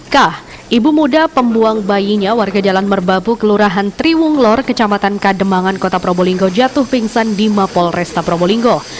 kah ibu muda pembuang bayinya warga jalan merbabu kelurahan triwunglor kecamatan kademangan kota probolinggo jatuh pingsan di mapol resta probolinggo